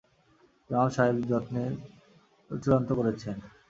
ইমাম সাহেব যত্বের চূড়ান্ত করেছেন।